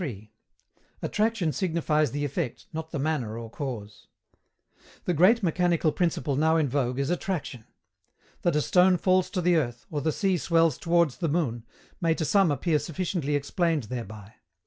ATTRACTION SIGNIFIES THE EFFECT, NOT THE MANNER OR CAUSE. The great mechanical principle now in vogue is attraction. That a stone falls to the earth, or the sea swells towards the moon, may to some appear sufficiently explained thereby.